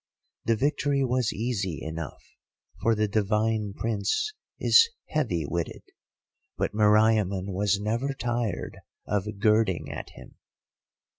The victory was easy enough, for the divine Prince is heavy witted; but Meriamun was never tired of girding at him.